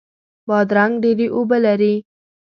بادرنګ ډیرې اوبه لري.